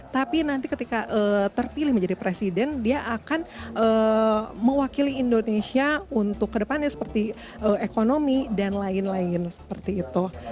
tapi nanti ketika terpilih menjadi presiden dia akan mewakili indonesia untuk kedepannya seperti ekonomi dan lain lain seperti itu